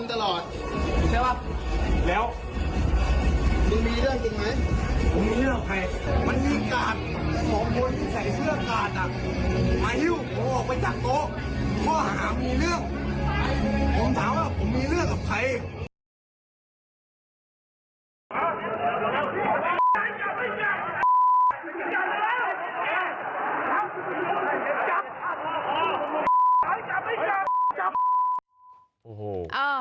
ผมถามว่าผมมีเรื่องกับใคร